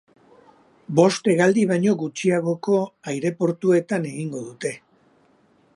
Bost hegaldi baino gutxiagoko aireportuetan egingo dute.